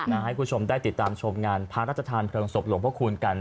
ให้คุณผู้ชมได้ติดตามชมงานพระราชทานเพลิงศพหลวงพระคูณกัน